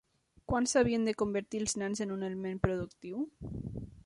Quan s'havien de convertir els nens en un element productiu?